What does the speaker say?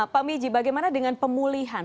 pak miji bagaimana dengan pemulihan